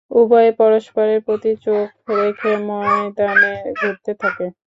উভয়ে পরস্পরের প্রতি চোখ রেখে ময়দানে ঘুরতে থাকে।